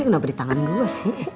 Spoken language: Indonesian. kenapa di tangan dulu sih